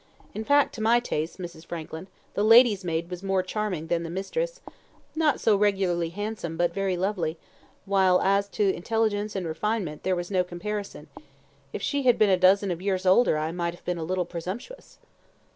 In fact, to my taste, Mrs. Frankland, the lady's maid was more charming than the mistress; not so regularly handsome but very lovely while as to intelligence and refinement there was no comparison. If she had been a dozen of years older I might have been a little presumptuous."